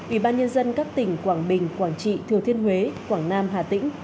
ủy ban nhân dân các tỉnh quảng bình quảng trị thừa thiên huế quảng nam hà tĩnh